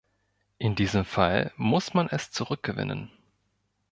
In diesem Fall muss man es zurückgewinnen.